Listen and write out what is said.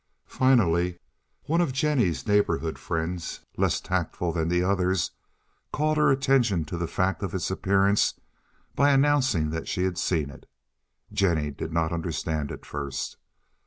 Finally, one of Jennie's neighborhood friends, less tactful than the others, called her attention to the fact of its appearance by announcing that she had seen it. Jennie did not understand at first.